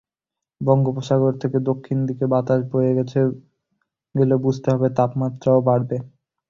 বঙ্গোপসাগর থেকে দক্ষিণ দিকের বাতাস বয়ে গেলে বুঝতে হবে তাপমাত্রাও বাড়বে।